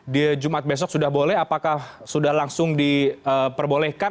di jumat besok sudah boleh apakah sudah langsung diperbolehkan